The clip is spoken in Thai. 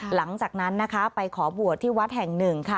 หลังจากนั้นนะคะไปขอบวชที่วัดแห่งหนึ่งค่ะ